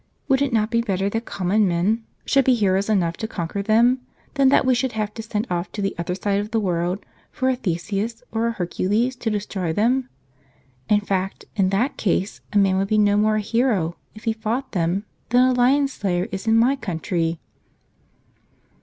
Would it not be better that common men should be heroes enough to conquer them, than that we should have to send off to the other side of the world for a Theseus, or a Hercules, to destroy them? In fact, in that case, a man would be no more a hero if he fought them, than a lion slayer is in my country."